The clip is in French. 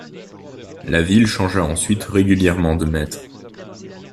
La ville changea ensuite régulièrement de maîtres.